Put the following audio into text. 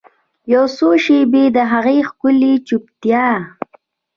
یوڅو شیبې د هغې ښکلې چوپتیا